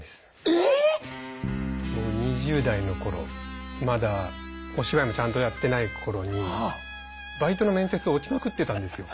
えっ⁉２０代の頃まだお芝居もちゃんとやってない頃にバイトの面接落ちまくってたんですよ。